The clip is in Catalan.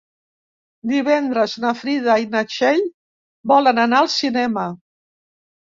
Divendres na Frida i na Txell volen anar al cinema.